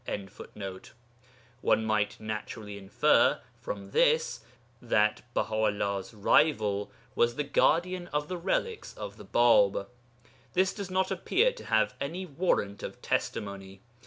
] One might naturally infer from this that Baha 'ullah's rival was the guardian of the relics of the Bāb. This does not appear to have any warrant of testimony.